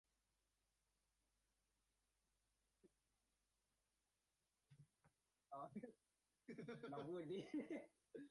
และทุกวันนี้ยังเป็นผู้มีอิทธิพลมีหน้ามีตาในสังคมอินโด มาเล่าเรื่องตัวเอง